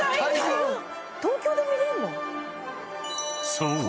［そう。